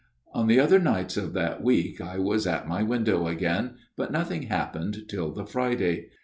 " On the other nights of that week I was at my window again ; but nothing happened till the Friday.